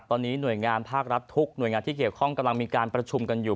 ตอนนี้หน่วยงานภาครัฐทุกหน่วยงานที่เกี่ยวข้องกำลังมีการประชุมกันอยู่